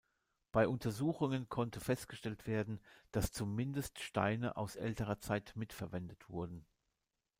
Bei Untersuchungen konnte festgestellt werden, dass zumindest Steine aus älterer Zeit mit verwendet wurden.